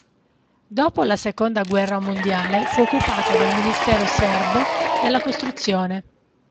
Dopo la seconda guerra mondiale fu occupata dal Ministero serbo della Costruzione.